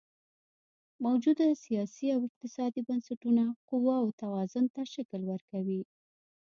موجوده سیاسي او اقتصادي بنسټونه قواوو توازن ته شکل ورکوي.